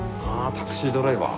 「タクシードライバー」。